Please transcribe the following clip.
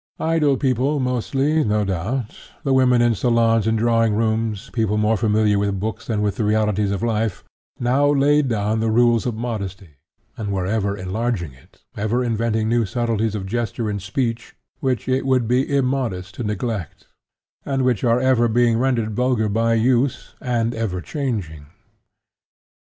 Idle people, mostly, no doubt, the women in salons and drawing rooms, people more familiar with books than with the realities of life, now laid down the rules of modesty, and were ever enlarging it, ever inventing new subtleties of gesture and speech, which it would be immodest to neglect, and which are ever being rendered vulgar by use and ever changing.